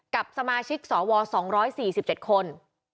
กับสมาชิกสว๒๔๗คน